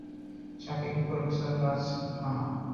সাক্ষী প্রফেসর রাজ ভার্মা।